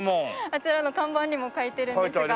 あちらの看板にも書いてるんですが。